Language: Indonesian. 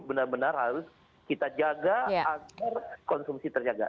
benar benar harus kita jaga agar konsumsi terjaga